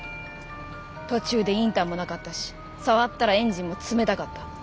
途中でインターもなかったし触ったらエンジンも冷たかった。